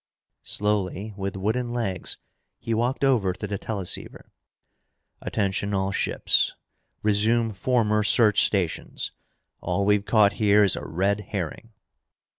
Slowly, with wooden legs, he walked over to the teleceiver. "Attention all ships! Resume former search stations. All we've caught here is a red herring!"